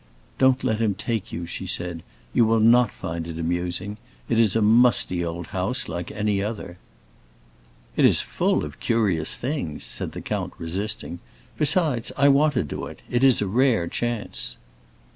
"Don't let him take you," she said; "you will not find it amusing. It is a musty old house, like any other." "It is full of curious things," said the count, resisting. "Besides, I want to do it; it is a rare chance."